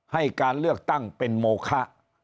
ให้การเลือกตั้งเป็นโมคะ